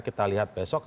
kita lihat besok